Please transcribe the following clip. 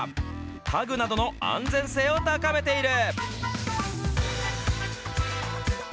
家具などの安全性を高めている。